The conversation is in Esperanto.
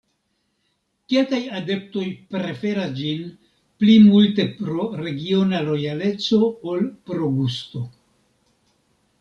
Kelkaj adeptoj preferas ĝin pli multe pro regiona lojaleco ol pro gusto.